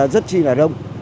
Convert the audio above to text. rất chi là đông